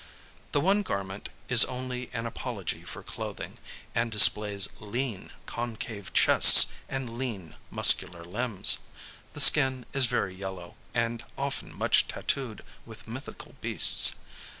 The one garment is only an apology for clothing, and displays lean concave chests and lean muscular limbs. The skin is very yellow, and often much tattooed with mythical beasts.